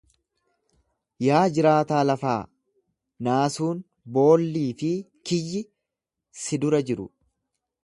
Yaa jiraataa lafaa, naasuun, boolli fi kiyyi si dura jiru.